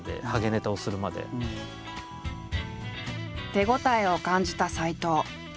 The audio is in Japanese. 手応えを感じた斎藤。